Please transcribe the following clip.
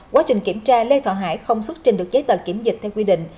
quá trình kiểm tra lê thọ hải không xuất trình được giấy tờ kiểm dịch theo quy định